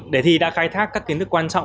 đề thi đã khai thác các kiến thức quan trọng